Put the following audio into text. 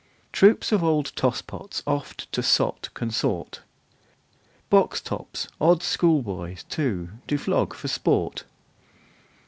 Troops of old tosspots oft to sot consort. Box tops our schoolboys, too, do flog for sport.